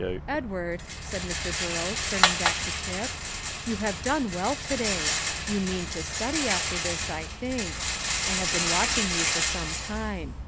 "Edward," said Mr. Burrows, turning back to Tip, "you have done well to day. You mean to study, after this, I think; I have been watching you for some time.